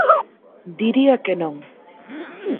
Diría que non.